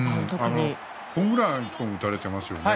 ホームラン１本打たれていますよね。